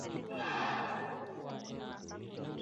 Dalili za ugonjwa wa kutoka damu sana ni mifugo kuwa na homa kali